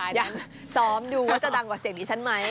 ยังซ้อมดูว่าจะดังกว่าเสียงดิฉันไหม